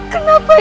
kenapa ibu nara